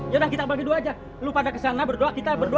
yaudah kita bagi dua aja lu pada kesana berdua kita kesana yuk